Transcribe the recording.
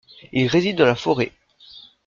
Il réside dans la foret.